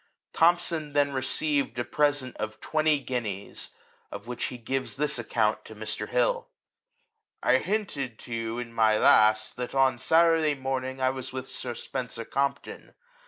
Thomson then received a present of twenty guineas, of which he gives this account to Mr. Hill :" I HINTED to you in my last, that on " Saturday morning I was with Sir Spencer Compton.